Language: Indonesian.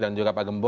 dan juga pak gembo